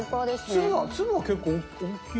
粒は粒は結構大きいの？